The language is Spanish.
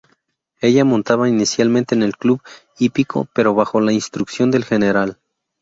Ella montaba inicialmente en un club hípico, pero bajo la instrucción del Gral.